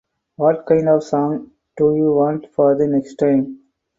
What kind of song do you want for the next time?